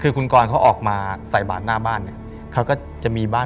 คือคุณกรเขาออกมาใส่บาทหน้าบ้านเนี่ยเขาก็จะมีบ้าน